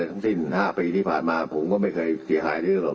มีศาสตราจารย์พิเศษวิชามหาคุณเป็นประเทศด้านกรวมความวิทยาลัยธรม